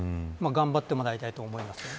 頑張ってもらいたいと思います。